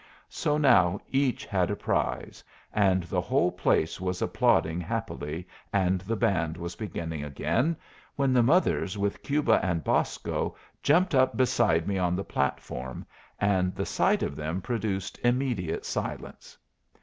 So now each had a prize, and the whole place was applauding happily, and the band was beginning again, when the mothers with Cuba and Bosco jumped up beside me on the platform, and the sight of them produced immediate silence.